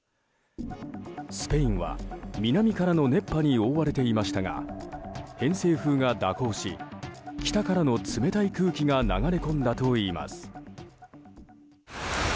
スペインは南からの熱波に覆われていましたが偏西風が蛇行し北からの冷たい空気が流れ込んだといいます。